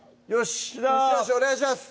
しっお願いします